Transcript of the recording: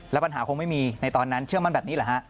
แล้วปัญหาคงไม่มีในตอนนั้นเชื่อมั่นแบบนี้เหรอฮะ